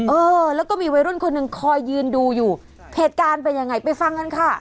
เออแล้วก็มีวัยรุ่นคนหนึ่งคอยยืนดูอยู่เหตุการณ์เป็นยังไงไปฟังกันค่ะ